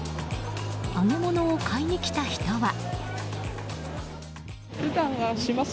揚げ物を買いに来た人は。